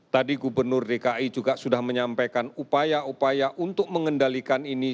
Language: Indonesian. tadi gubernur dki juga sudah menyampaikan upaya upaya untuk mengendalikan ini